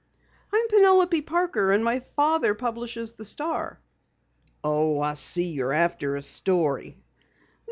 "I'm Penelope Parker, and my father publishes the Star." "Oh, I see, you're after a story!"